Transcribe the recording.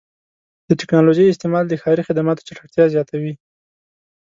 د ټکنالوژۍ استعمال د ښاري خدماتو چټکتیا زیاتوي.